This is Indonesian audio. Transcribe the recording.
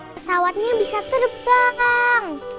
pesawatnya bisa terbang